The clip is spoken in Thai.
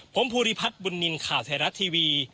ผมภูริพัฒน์บุญนินทร์ข่าวไทยรัฐทีวี